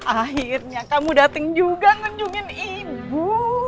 akhirnya kamu dateng juga ngunjungin ibu